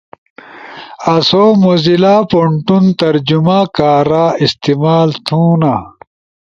آسو موزیلا پونٹون ترجمہ کارا استعمال تھونا۔